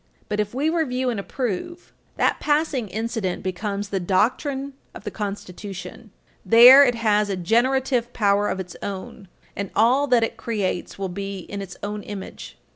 But if we review and approve, that passing incident becomes the doctrine of the Constitution. There it has a generative power of its own, and all that it creates will be in its own image.